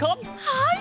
はい！